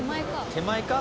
手前か？